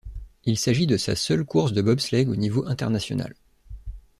Il s'agit de sa seule course de bobsleigh au niveau international.